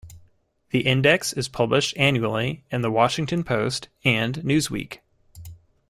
The index is published annually in the "Washington Post" and "Newsweek".